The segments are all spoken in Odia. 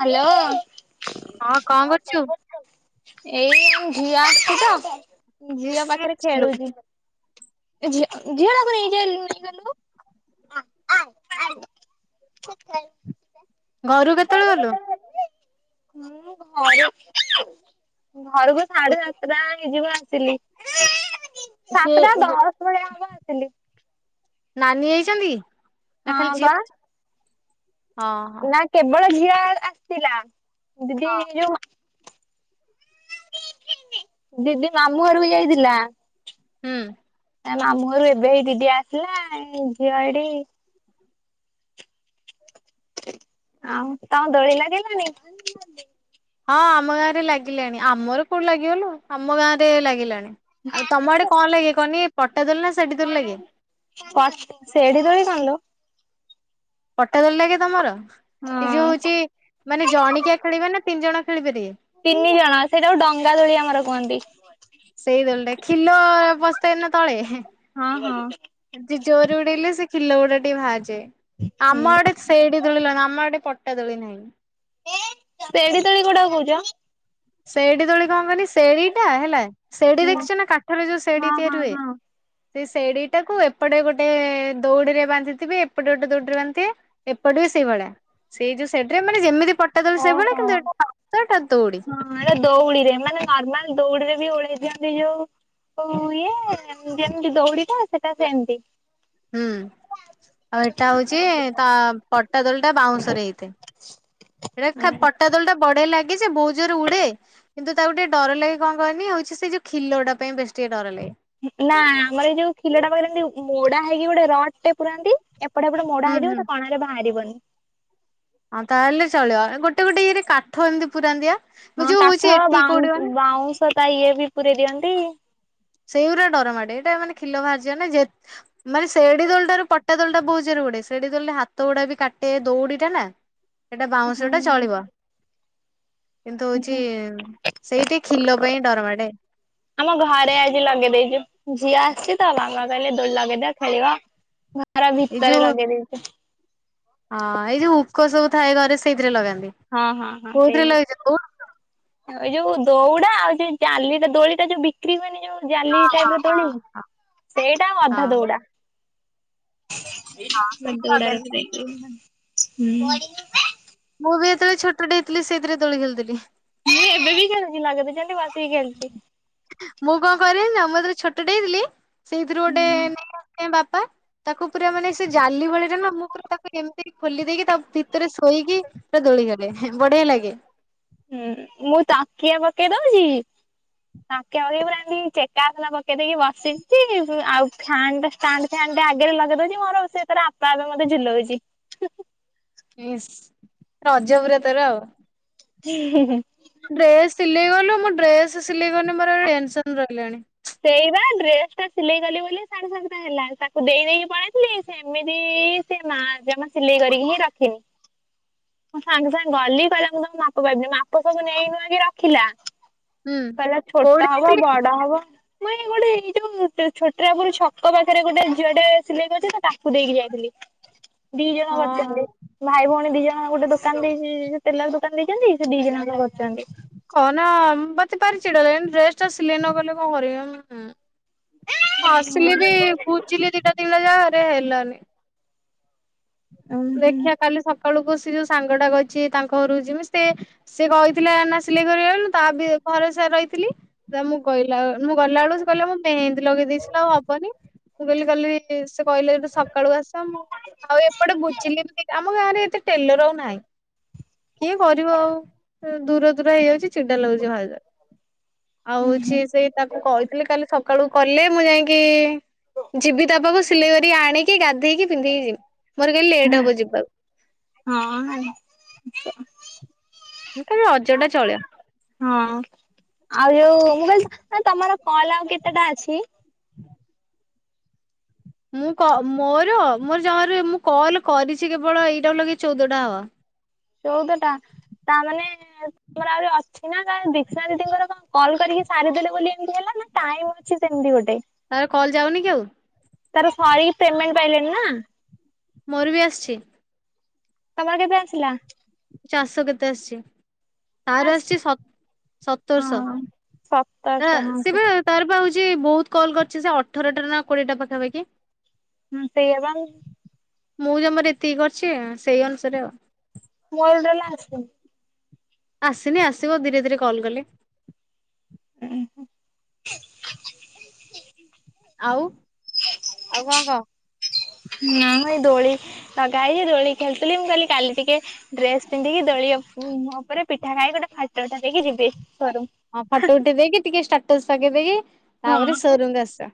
ହାଲୋ। ହଁ କଣ କରୁଚୁ? ଏଇ ଝିଅ ଆସଚି ତ। ଝିଅ ବେଶୀ ପାଖରେ ଥିଲୁ। ଖେଳୁଚି। ଏ ଝିଅ ଝିଅ ଟାକୁ ନେଇ ନେଇ ଗଲୁ। ଘରୁ କେତେବେଳେ ଗଲୁ? ମୁଁ ଘରେ ଘରକୁ ସାଢେ ସାତଟା ଯିବା ଆସିଲି। ସେ ସାତଟା ଯୋ ଦଶ ଭଳିଆ ହବ ଆସିଲି। ନାନୀ ହେଇଚନ୍ତି। ହଁ ବା। ହଁ ହଁ। ନା କେବଳ ଝି ଝିଅ ଆସିଥିଲା। ଦିଦି ଯୋଉ ଦିଦି, ମାମୁଁ ଘରକୁ ଯାଇଥିଲା। ହୁଁ ତା, ମାମୁଁ ଘରୁ, ଏବେ ହେଇ, ଦିଦି ଆସିଲା ୲ ଝିଅ ଏଇଠି ଆଉ, ତମ ଦୋଳି ଲାଗିଲାଣି? ହଁ, ଆମ ଗାଁ ରେ ଲାଗିଲାଣି ୲ ଆମର କୋଉଠୁ ଲାଗିବଲ, ଆମ ଗାଁ ରେ ଲାଗିଲାଣି ୲ ଆଉ, ତମ ଆଡେ, କଣ ଲାଗେ କହନି? ପଟା ଦୋଳି, ନା ସେଡ଼ି ଦୋଳି ଲାଗେ? କ ସେଢି ଦୋଳି କଣ ଲୋ? ପଟା, ଦୋଳି ଲାଗେ ତମର ୲ଏଇ ଯୋଉ ହଁ। ହଉଛି, ମାନେ ଜଣିକିଆ ଖେଳିବେ, ନା ତିନି ଜଣ ଖେଳି ପାରିବେ? ତିନି ଜଣ, ସେଇଟା କୁ ଡଙ୍ଗା ଦୋଳି, ଆମର କୁହନ୍ତି। ସେଇ, ଦୋଳିଟା ୲ ଖିଲ ବସିଥାଏ, ନା ତଳେ? ହୁଁ ଜୋରେ, ଉଡେଇଲେ ସେ ଖିଲ, ଗୁଡା ଟିକେ ବାହାରି, ଯାଏ ୲ ଆମ ଆଡ଼େ, ସେଡି ଦୋଳି, ଲଗା, ଆମ ଆଡ଼େ ପ ପଟା, ଦୋଳି ନାହିଁ? ତେଡି ଦୋଳି, କୋଉଟାକୁ କହୁଛ? ସେଇଠି ଦୋଳି, କଣ କରି ଶେଢୀ, ଟା ହେଲା ସେଢୀ ହୁଁ ଦେଖିଛନା, କାଠରେ ଯୋଉ ଶେଢୀ ହଁ ହଁ ତିଆରି ହୁଏ ୲ ହଁ। ସେଇ ସେଢୀଟାକୁ, ଏପଟେ ଗୋଟେ ଦଉଡିରେ ବାନ୍ଧିଥିବେ, ଏପଟେ ଗୋଟେ ଦୌଡିରେ, ବାନ୍ଧିଥିବେ ୲ ଏପଟେ ବି ସେଇଭଳିଆ, ସେଇ ଯୋଉ ଶେଢୀ ରେ, ମାନେ ଯେମିତି ପଟା ଦୋଳି, ଓହୋ ସେଇଭଳିଆ କିନ୍ତୁ, ଏଟା ଦୌଡ଼ି ହଁ ଦୌଡିରେ ମାନେ ନର୍ମାଲ ଦୌଡିରେ ବି ଓଳେଇ ଦିଅନ୍ତି ଯୋଉ ଇଏ ଯେମିତି ଦୌଡି ରେ ସେଟା ସେମତି। ହୁଁ ଆଉ ଏଇଟା ହୋଉଚି ତା ପଟା ଦୋଳ ଟା ବାଉଁଶରେ ହେଇ ସେଇଟା ପଟା ଦୋଳ ଟା ବଢିଆ ଲାଗ ଆ ସେ ବୋହୁତ ଜୋରେ ଉଡେ କିନ୍ତୁ ତାକୁ ଟିକେ ଡର ଲାଗେ କଣ କହନି ହଉଛି ସେ ଯୋଉ ଖିଲଟା ପାଇଁ ବେଶୀ ଟିକେ ଡର ଲାଗେ। ନା ଆମର ଏଇ ଯୋଉ ଖିଲଟା ମୋଡା ହେଇକି ଗୋଟେ ରଡଟେ ପୁରନ୍ତି। ଏପଟ ହେପଟ ମୋଡା ହୁଁ ହୁଁ। ହେଇଥିବ ତା କଣରେ ବାହାରିବନି। [inaudible] ହଁ ତାହେଲେ ଚଳିବ ଗୋଟେ ଗୋଟେ ଇଏରେ କାଠ ଏମିତି ପୁରାନ୍ତିି ପା। ହଁ କାଠ ବାଉଁ ବାଉଁଶ ତା ଇଏ ବି ପୁରେଇ ଦିଅନ୍ତି। ତି ସେଉରା ଡରମାଡେ ଏଇଟା ମାନେ ଖିଲ ବାହାରିଯାଏ ନା ମାନେ ସେଢି ଦୋଳିଟାରୁ ପଟା ଦୋଳଟା ବହୁତ ଜୋରେ ଉଡେ ସେଢୀ ଦୋଳିରେ ହାତ ଗୁଡା ବି କାଟେ ଦୌଡିଟା ନା। ଏଟା ହୁଁ ବାଉଁଶ ଟା ଚଳିବ। କିନ୍ତୁ ହୋଉଛି ହୁଁ। ସେଇଠି ଖିଲ ପାଇଁ ଡରମାଡେ ଆମ ଘରେ ଆଜି ଲଗେଇ ଦେଇଛୁ ଝିଅ ଆସିଛି ତା ମାମା ଦୋଳି ଲାଗେଇଦବ ଖେଳିବ। ଘର ଏଇ ଭିତରେ ଯୋଉ ଲଗେଇ ଦେଇଛୁ ହଁ ଏଇ ଯୋ ହୁକ ସବୁ ଥାଏ ଘରେ ସେଇଥିରେ ଲଗାନ୍ତି। ହଁ ହଁ ହଁ କୋଉଥିରେ ସେଇ ଲଗେଇଛ ଦଉଡି [inaudible] ଏଇ ଯୋଉ ଦୌଡ଼ା ଆଉ ଜେ ଚାଲିକି ଦୋଳିଟା ଯୋଉ ବିକ୍ରି ହୁଏନି ଯୋଉ ହଁ ଜାଲି ହଁ ଟାଇପର ତୋଳି ହଁ ହଁ ସେଇଟା ଅଧା ହଁ ଦୌଡା। ହଁ ସେଇଥିରେ [unintelligible] ଲଗାନ୍ତି ହୁଁ। [inaudible] ମୁଁ ବି ଯେତେବେଳେ ଛୋଟ ଦେଇଥିଲ ସେଥିରେ ତୋଳି ଖେଳିଥିଲି। ଏବେ ବି ଖେଳୁଚି ଲଗେଇ ଦେଇଚନ୍ତି ବସ୍ [unintelligible] ମୁଁ କଣ କରିବି ନା ମୁଁ ଯେତେବେଳେ ଛୋଟ ଟେ ହେଇଥିଲି ସେଇଥିରୁ ଗୋଟେ ହୁଁ ନେଇ ଆସିଚନ୍ତି ବାପା ତାକୁ ପୁରା ମାନେ ସେ ଜାଲି ଭଳିରେ ନା ମୁଁ ପୁରା ତାକୁ ଏମିତି ଖୋଲି ଦେଇକି ତା ଭିତରେ ଶୋଇକି ପୁରା ଦୋଳିଖେଳେ। ହୁଁ, ମୁଁ ତାକିଆ ବ ପକେଇ, ଦୋଉଚି ୲ ତାଁକେ ଆଗରେ, ଏମିତି ଚେକା ଆସନ ପକେଇ ଦେଇକି ବସିଚି ୲ ଆଉ ଫ୍ୟାନଟା, ଷ୍ଟାଣ୍ଡଫ୍ୟାନ୍, ଟା ଆଗରେ ଲଗେଇ ଦଉଚି, ମୋର ସେ ତାର, ଆପେ ଆପେ ମତେ ଝୁଲଉଚି। ଇସ୍, ରଜପୁରା ତୋର ୲ ହୁଁ, ହୁଁ ଡ୍ରେସ୍, ସିଲେଇ କଲୁ, ମୁଁ ଡ୍ରେସ୍ ସିଲେଇ, କରିନି ମୋର, ଟେନସନ୍ ରହିଲାଣି। ସେଇବା, ଡ୍ରେସ୍ ଟା ସିଲେଇ କଲି ବୋଲି, ସାଢେ ସାତଟା ହେଲା ୲ତାକୁ ଦେଇ, ଦେଇ କି ପଳେଇ ଥିଲେ, ସେ ଏମିତି ସେ ମା, ଜମା ସିଲେଇ କରି ହିଁ ରଖିନି। ମୁଁ, ସାଙ୍ଗେ, ସାଙ୍ଗେ ଗଲି କହିଲା, ମୁଁ ତମ ମାପ ପାଇବିନି ୲ମାପ ସବୁ ନେଇ ନୂଆଁକି, ରଖିଲା। ହୁଁ। କହିଲା ଛୋଟ କୋଉଠି ହବ, ଯାଇଥିଲି କି? ବଡ ହବ। ମୁଁ, ଏଇ ଗୋଟେ, ଏଇ ଯୋଉ ଛୋଟାରାପୁର ଛକ ପାଖରେ, ଗୋଟେ ଝିଅ ଟେ ସିଲେଇ କରୁଛି ୲ତାକୁ ଦେଇକି ଯାଇଥିଲି। ଦି ଜଣ, ହଁ କରିଚନ୍ତି ୲ ଭାଇ, ଭଉଣୀ ଦି, ଜ ହଁ, ଗୋଟେ ଦୋକାନ ଦେଇଚି ୲ଟେଲର ଦୋକାନ, ଦେଇଚନ୍ତି ୲ ସେ ଦି ଜଣ ଆଙ୍କ, କରୁ କହନା, ମୁଁ ପା ସେ, ପାରି ଚିଡା ଲାଗିଲାଣି, ଡ୍ରେସ୍ ଟା ସିଲେଇ ନ କଲେ କଣ, କରିବି ଉଂ ଉଂ। ଆସିଲି ବି ବୁଝିଲି ଦିଟା ତିନଟା ଯାଗାରେ। [unintelligible] ସେ, ହେଲାନି। ହଁ ଦେଖିଆ, କାଲି ସକାଳୁକୁ, ସି ସେ, ଯୋଉ ସାଙ୍ଗଟା କହିଚି, ତାଙ୍କ ଘରୁ ଯିମି ସିଏ, ସିଏ କହିଥିଲା ନା ସିଲେଇ କରିଆ, ତା ବି ଭରଷାରେ ରହିଥିଲି ୲ତା ମୁଁ, କହିଲା ମୁଁ ଗଲା ବେଳକୁ ସେ କହିଲା, ମୁଁ ମେହେନ୍ଦି ଲଗେଇ ଦେଇେଚି ୲ଆଉ ହବନି, ମୁଁ କହିଲି କାଲି ସେ କହିଲେ, ଯଦି ସକାଳୁ ଆସ ମୁଁ ଆଉ ଏପଟେ ବୁଝିଲି ବି ଆମ ଗାଁରେ ଏତେ ଟେଲର ଆଉ ନାହିଁ। କିଏ କରିବ ଆଉ? ଦୂର ଦୂର ହେଇଯାଉଚି ଚିଡା ଲାଗୁଚି ଭାରି ଜୋରେ। ଆଉ ହଁ ହୋଚି ସେଇ ତାକୁ କହିଥିଲି କାଲି ସକାଳୁ କଲେ ମୁଁ ଯାଇଁକି ଯିବି ତା ପାଖକୁ ସିଲେଇ କରି କି ଆଣିକି ଗାଧେଇକି ପିନ୍ଧିକି ଯିବି। ମୋର କାଲି ଲେଟ୍ ହବ ଯିବାକୁ। ଉଂହଁ ହଁ କାଲି ରଜ ଟା ଚଳିବ। ହଁ ଆଉ ଯୋଉ ମୁଁ କଲି ତ ତମର କଲ୍ ଆଉ କେତେଟା ଅଛି। ମୁଁ କ ମୋର ମୋର ଜମାରୁ ମୁଁ କଲ କରିଚି କେବଳ ଏଇଟା କୁ ଲଗେଇ ଚଉଦଟା ହବ। ଚଉଦଟା ତା ମାନେ ତୁମର ଆହୁରି ଅଛି ନା ତେହେଲେ ଦିଶା ଦିଦିଙ୍କର କଣ କଲ୍ କରିକି ସାରିଦେଲେ ବୋଲି ଏମିତି ହେଲା ନା ଟାଇମ ଅଛି ସେମିତି ଗୋଟେ। ତାର କଲ ଯାଉନି କି ଆଉ। ତାର ସାରିକି ପେମେଣ୍ଟ ପାଇଲେଣି ନା। ମୋର ବି ଆସିଚି। ତମର କେବେ ଆସିଲା? ଚାଶ କେତେ ଆସିଚି? ତାର ଆସ୍ ଆସିଚିସତ୍--ସତରଶ। ହଁ ହିଁ ସତରଶହ ସିଏବା ହଁ ତାରପା ହ ବହୁତ କଲ କରିଛି ସେ ଅଠରଟା ନା କୋଡିଏଟା ପାଖାପାଖି ହଁ ସେଇଆ ବା ମୁଁ ଜମାରୁ ଏତିକି କରିଛି ସେଇ ଅନୁସାରେ ଆଉ ମୋର ଟୋଟାଲି ଆସିନି ଆସିନି ଆସିବ ଧୀରେ ଧୀରେ କଲ କଲେ ଓ ହଁ ଆଉ ଆଉ କଣ କହ ହଁ ମୁଁ ଏଇ ଦୋଳି ଲଗାହେଇଛି ଦୋଳି ଖେଳୁଥିଲି ମୁଁ କହିଲି କାଲି ଟିକେ ଡ୍ରେସ ପିନ୍ଧିକି ଦୋଳି ମୁ ଉପରେ ପିଠା ଖାଇି ଗୋଟେ ଫାଟଉଠେଇକି ଯିବି। ଘରକୁ। ହଁ ଫଟୋ ଉଠି ଦେଇକି ଟିକେ ଷ୍ଟା ଟୋସା କବେ କୀ ବେ। ତା ପରେ ହଁ। ସୋରୁମରୁ ଆସ।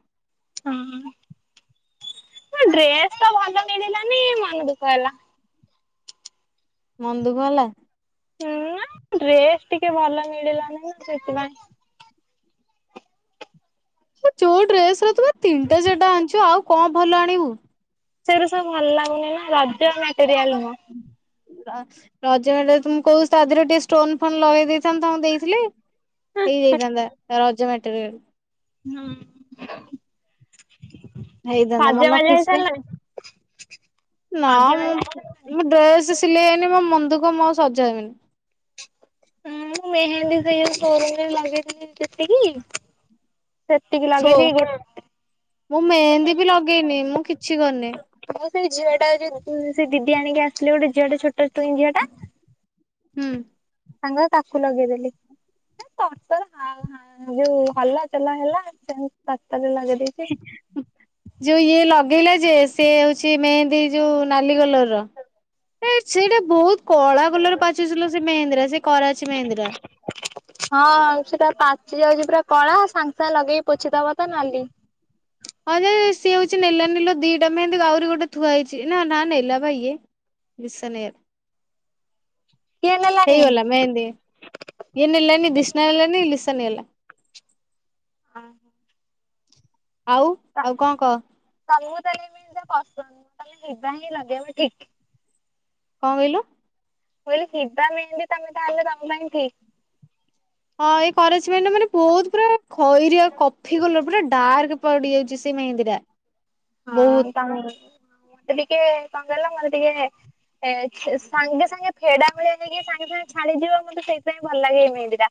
ହଁ ଡ୍ରେସ୍ ତ ଭଲମିଳିଲାନି ମନ ଦୁଃଖ ହେଲା ମନଦୁଃଖ ହେଲା। ହୁଁ ଡ୍ରେସ ଟିକେ ଭଲ ମିଳିଲାନି ନା ସେଥିପାଇଁ ଚୋଉ ଡ୍ରେସ ରେ ତ ତୁ ପା ତିନଟାଚାଟା ଆଣିଛୁ ଆଉ କଣ ହବ ଭଲ ଆଣିବୁ। ସେଗୁରା ସବୁ ଭଲ ଲାଗୁନି ନା ରଜ ସେରିଆ ଆଲମ୍ ର ରଜ ତୁମକୁ କହୁଛି ତା ଦେହରେ ଟିକେ ଷ୍ଟୋନ ଫୋନ ଲଗେଇ ଦେଇ ତାଙ୍କୁ ଦେଇଥିଲେ ହେଇଯାଇଥାନ୍ତା ରଜଭା ଏ ହଁ। ହେଇଥାନ୍ତା ମନ ଖୁସି ନା ସଜବାଜ ମୁଁ ହେଇସାରିଲଣି? ମୁ ଡ୍ରେସ ସିଲେଇ ହେଇନି ମୋ ଦୁଃଖ ମୁଁ ଆଉ ସଜହେବିନି। ହଁ ମୁଁ ମେହେନ୍ଦୀ ସେଇ ସୋରୁମରେ ଲାଗେଇଥିଲି ଯେତିକି ସେତିକି ସୋ ଲଗେଇଛି ଗୋ ମୁଁ ମେହେନ୍ଦୀ ବି ଲଗେଇନି ମୁଁ କିଛି କରିନି। ମୁଁ ସେଇ ଝିଅ ଟା ଯଉ ସେ ଦିଦି ଆଣିକି ଆସିଲେ ଗୋଟ ଝିଅଟା ଛୋଟ ଟୁଇ ଝିଅ ଟା ହୁଁ। ତାଙ୍ଗର ତାକୁ ଲଗେଇଦେଲି ତର ଯୋଉ ହଲା ଚଲା ହେଲା ସେ ରା ହିଁ ଯୋଉ ଇୟ ଲଗ ଲଗେଈଲା ଯେ ସ ହଉଛି ମେହେନ୍ଦୀ ଯୋଉ ନାଲି କଲର ର ସେଇଟା ବହୁତ କଳା କଲର ପଚୁଚିଲୋ ସେ ମେନ୍ଦ୍ରା ଟା ସେ କରାଚି ମେହେନ୍ଦୀ ଟା। ହଁ। ସେଟା ପାଚି ଯାଉଛି ପୁରା କଳା ସାଙ୍ଗେ ସାଙ୍ଗେ ଲଗେଇକି ପୋଛିଦବ ତ ନାଲି ହଁ ଯେ ସିଏ ହେଉଛି ନେଲା ନିଲୋ ଦିଟା ମେହେନ୍ଦି ଆହୁରି ଗୋଟେ ଥୁଆ ହେଇଛି ନା ନା ନେଲା ବା ଇଏ ଲିସା କିଏ ନେଇଗଲା। ନେଲାନି? ହେଇଗଲା ମେହେନ୍ଦି ଇଏ ନଲାନି ଦିଶମା ନଲାନି ଲି ଚାଲିଗଲା ହଁ। ଆଉ ଆଉ କଣ କହ? [unintelligible] ଯେମିତି ପସନ୍ଦ ତମେ ନିଜେ ହିଁ ଲଗେଇବ ଠିକ୍ କଣ କହିଲୁ? ମୁଁ କହିଲି ସିଧା ମେହେନ୍ଦି ତମେ ତାହଲେ ତମ ପାଇଁ ଠିକ୍ ହଁ ଏଇ କରଛି ମ ନା ମାନେ ବହୁତ ପୁରା ଖଇରିଆଉ କଫି କଲର ପୁରା ଡାର୍କ ପଡ଼ିଯାଉଛି ସେ ମହେନ୍ଦି ଟା ବହୁତ ହଁ। ମତେ ଟିକେ କଣ କହିଲ ମତେ ଟିକେ ସାଙ୍ଗେ ସାଙ୍ଗେ ଫେଡା ଭଳିଆ ହେଇକି ସାଙ୍ଗେ ସାଙ୍ଗେ ଛାଡିଯିବ ମତେ ସେଇଥିାଇଁ ଭଲ ଲାଗେ ଏଇ ମେହେନ୍ଦୀ ଟା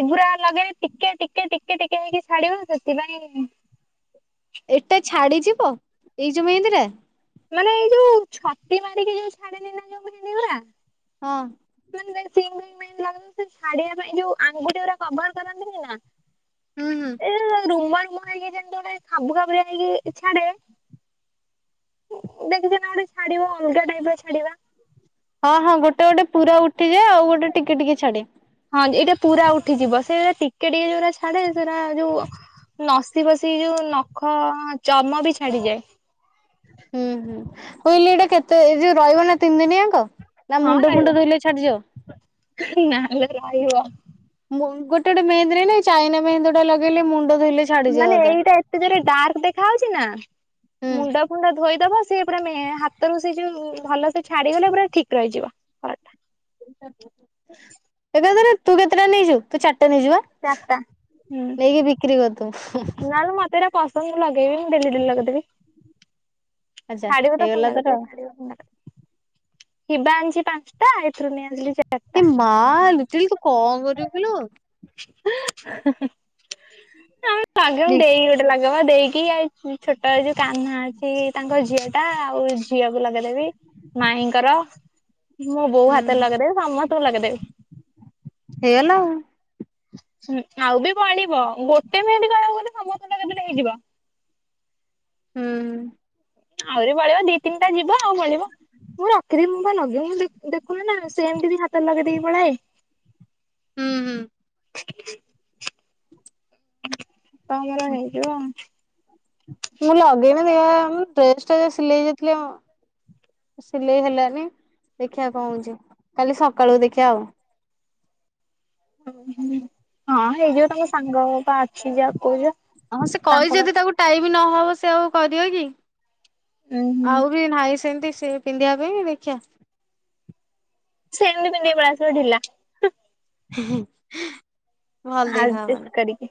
ଏଗୁୁରା ଲଗେଇଲେ ଟିକେ ଟିକେ ଟିକେ ଟିକେ ହେଇକି ଛାଡିବ ସେଥିପାଇଁ। ଏଟା ଛାଡିଯିବ ଏଇ ଯୋଉ ମେହେନ୍ଦି ଟା ମାନେ ଏଇ ଯୋଉ ଛତି ମାରିକି ଯୋଉ ଛାଡେନି ନା ଯୋଉ ସେଇଗୁରା ହଁ। ମାନେ ସେ ସିମ୍ ଫିମ୍ ମିଳିଥିଲା ମାନେ ସେ ଛାଡ଼ିବାପାଇଁ ଯୋଉ ଅଙ୍ଗୁଠିଗୁଡ଼ା କଭର କରନ୍ତିନି ନା। ହୁଁ ହୁଁ ଏ ରୁମା ରୁମା ଦେଖିବ ଯେମିତି ଖାବୂ ଖାଭୁ ହେଇକି ଅଲଗା ଟାଇପ୍ ର ଛାଡ଼ିବା। ହଁ ହଁ ଗୋଟେ ଗୋଟେ ପୁରା ଉଠିଯାଏ ଆଉ ଗୋଟେ ଟିକେ ଟିକେ ଛାଡେ ହଁ ଏଇଟା ପୁରା ଉଠିଯିବ ସେ ଟିକେ ଟିକେ ଯୋଉରା ଛାଡେ ସେଟା ଯୋଉ ନସି ବସି ଯୋଉ ନଖ ଚମ ବି ଛାଡିଯାଏ। ହୁଁ ହୁଁ କହିଲିି ଏଇଟା କେତେ ଏ ଯୋଉ ରହିବ ନା ତିନି ଦିନି ଆଙ୍କ ନା ମୁଣ୍ଡ ଫୁଣ୍ଡ ଧୋଇଲେ ଛାଡିଯିବ ନାହ ଲୋ ରହିବ ମ ଗୋଟେ ଗୋଟେ ମେହେନ୍ଦି ରା ନାଇ ଚାଇନା ମେହେନ୍ଦୀ ଗୁଡା ଲଗେଇଲେ ମୁଣ୍ଡ ଧୋଇଲେ ଛାଡିଯିବ ମାନେ ଅଧା ଏଇଟା ଏତେ ଜୋରେ ଡାର୍କ ଦେଖ ଖାଯାଉଛି ନା। ହୁଁ ମୁଣ୍ଡ ଫୁଣ୍ଡ ଧୋଇଦବ ସେ ପୁରା ମେ ହାତରୁ ସେ ଯୋଉ ଭଲ ସେ ଛାଡିଗଲେ ପୁରା ଠିକ୍ ରହିଯିବ। ଏକା ଥରେ ତୁ କେତେଟା ନେଇଛୁ ତୁ ଚାର୍ ଟା ନେଇଛୁ ବା ଚାରିଟା ହୁଁ ନେଇକି ବିକ୍ରି କର୍ ଦବୁ। ତେ ଏରା ପସନ୍ଦ ମୁ ଲଗେଇବି ମୁ ଡେଲି ଡେଲି ଲଗେଇଦେବି। ଆଚ୍ଛା ଛାଡିବ ତ ଫୁଣି ହେଇଗଲା ତୋର ଲଗେଇଦେବି। ହିବାଂଶି ପାଞ୍ଚଟା ଏଇଥିରୁ ନେଇ ଆସିଲି ଚାର୍ ଇ ମା ଲିଟିଲ୍ ତୁ କଣ କରିବୁ କିଲୋ। ଦେଇ ହୁଁ ଗୋଟେ ଲଗେଇବ ଦେଇ କି ଆଉ ଛୋଟ ଏ ଯୋଉ କାହ୍ନା ଅଛି ତାଙ୍କ ଝିଅଟା ଆଉ ଝିଅକୁ ଲଗେଇଦେବି। ମାାଇଙ୍କର ମୁଁ ବୋଉ ହାତରେ ଲଗେଇଦେବ ସମସ୍ତ ଙ୍କୁ ଲାଗିଦେବି। ହେଇଗଲା। ଆଉ ବି ପଳିବ ଗୋଟେ ମିନିଟ ବଳିବ ଗଲେ ସମସ୍ତଲା କେତେବେଳେ ହେଇଯିବ। ହୁଁ। ଆହୁରି ପଳେଇିବ ଦି ତିନିଟା ଯିବ ଆଉ ପଳିବ ମୁଁ ରଖିଦି ମୁଁ ବା ଲଗେଇବି ମୁଁ ଦେଖ, କୁ ନା ସେମିତି ବି ହାତରେ ଲଗେଇଦବି। ମଲାଏ ହୁଁ ହୁଁ। ତମର ହେଇଯିବ। ମୁଁ ଲଗେଇନି ଡ୍ରେସ ଟା ଯ ସିଲେଇ ଯାଇଥିଲି ସିଲେଇ ହେଲାନି ଦେଖିବା କଣ କହୁଛି କାଲି ସକାଳକୁ ଦେଖିବା ଆଉ। ହଁ ଏଇ ଯୋଉ ତମ ସାଙ୍ଗ ବା ଅଛି ଯାହା କହୁ ଯା ହଁ ସେ କହି ଯଦି ତାକୁ ଟାଇମ୍ ବି ନହବ ସେ ଆଉ କରିବକି ଉୁଁ ହୁଁ ଆଉ ବି ନାଇ ସେମତି ସେ ପିନ୍ଧିବା ପାଇଁ ବି ଦେଖିବା ସେମିତି ପିନ୍ଧିକି ଆସିବୁ ଧିଲା। ହ ଅଜେଷ୍ଟ କରିକି।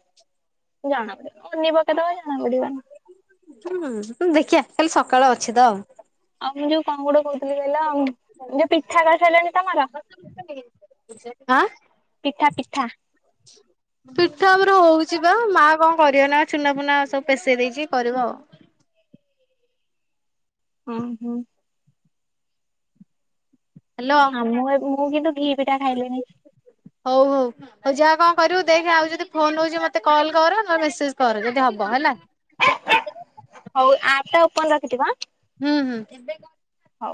ଜଣା ପଡିବ ଅନି ଚୁନି ପକେଇଦାବ ତ ଜଣା ପଡିବ। ହୁଁ ଦେଖିବା କାଲି ସକାଳେ ଅଛି ତ ଆଉ। ଆଉ ମୁଁ ଯୋଉ କଣ ଗୋଟେ କହୁଥିଲି କହିଲ ଯୋଉ ପିଠା କରିସାରିଲଣି। ତମର ଆ ପିଠା ପିଠା ପିଠା ଆମର ହଉଛି ବା ମା କଣ କରିବ ନା ଛୁନା ଫୁନା ସବୁ ପେେଶେଇ ଦେଇଛି କରିବ ଆଉ। ହଁ ହଁ ହ୍ୟାଲୋ ଆ ମୁଁ ମୁଁ କିନ୍ତୁ ଘିିବ ହଉ ହଉ ଆଉ ଯାହା କଣ କରିବୁ ଦେଖେ ଆଉ ଯଦି ଫୋନ ରଉଛି ମତେ କଲ କର ମେସେଜ କର ଯଦି ହବ ହେଲା ଓପେନ୍ ରଖିଥିବୁ ଆ ହୁଁ ହୁଁ ହଉ।